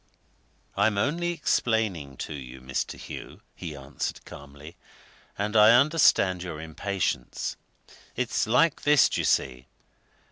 "I'm only explaining to you, Mr. Hugh," he answered, calmly. "And I understand your impatience. It's like this, d'ye see?